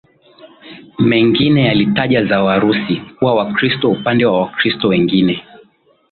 mengine yalitaja za Warusi kuwa Wakristo Upande wa Wakristo wengi